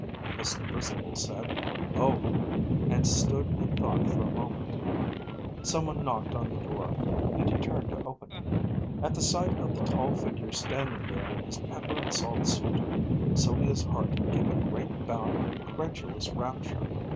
Mr. Bristol said "Oh " and stood in thought for a moment. Some one knocked on the door, and he turned to open it. At the sight of the tall figure standing there in his pepper and salt suit, Sylvia's heart gave a great bound of incredulous rapture.